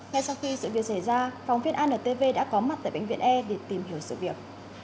ngay sau khi sự việc xảy ra phóng viên antv đã có mặt tại bệnh viện e để tìm hiểu sự việc